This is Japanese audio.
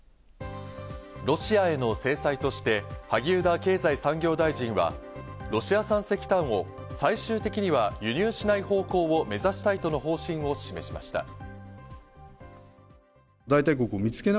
ロシアへの制裁として萩生田経済産業大臣はロシア産石炭を最終的には輸入しない方向を目指したいとの方針を示しました。